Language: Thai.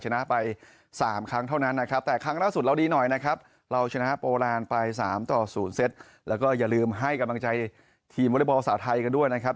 อ่อนว่าทุกคนช่วยทีมได้เพราะว่าฝึกซ้อนมาด้วยกัน